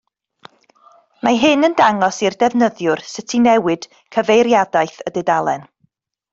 Mae hyn yn dangos i'r defnyddiwr sut i newid cyfeiriadaeth y dudalen.